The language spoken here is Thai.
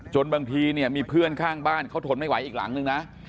บางทีเนี่ยมีเพื่อนข้างบ้านเขาทนไม่ไหวอีกหลังนึงนะ